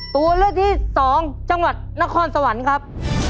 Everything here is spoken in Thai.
ตัวเลือกที่๒จังหวัดนครสวรรค์ครับ